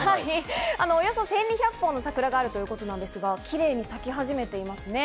およそ１２００本の桜があるということですが、キレイに咲き始めています。